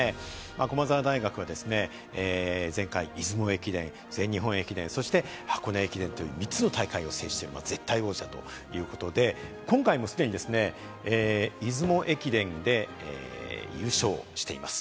駒澤大学は前回、出雲駅伝、全日本駅伝、そして箱根駅伝という３つの大会を制している絶対王者ということで、今回もすでに出雲駅伝で優勝しています。